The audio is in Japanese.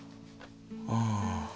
ああ。